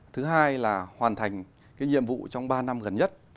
thứ hai là hoàn thành cái nhiệm vụ trong ba năm gần nhất